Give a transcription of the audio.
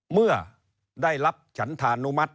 เมื่อได้รับฉันธานุมัติ